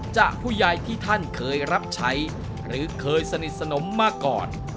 จากผู้ใหญ่ที่ท่านเคยรับใช้หรือเคยสนิทสนมมาก่อน